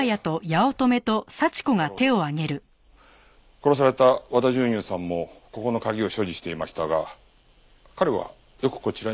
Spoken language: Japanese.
殺された和田淳雄さんもここの鍵を所持していましたが彼はよくこちらに。